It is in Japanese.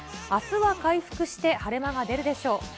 あすは回復して晴れ間が出るでしょう。